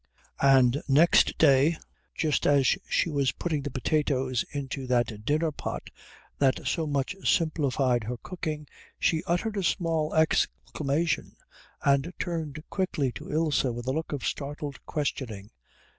And next day, just as she was putting the potatoes into that dinner pot that so much simplified her cooking, she uttered a small exclamation and turned quickly to Ilse with a look of startled questioning.